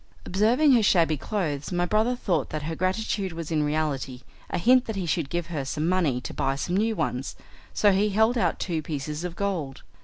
Observing her shabby clothes, my brother thought that her gratitude was in reality a hint that he should give her some money to buy some new ones, so he held out two pieces of gold.